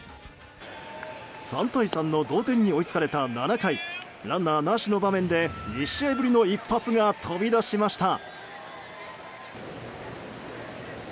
３対３の同点に追いつかれた７回ランナーなしの場面で２試合ぶりの一発が飛び出しました。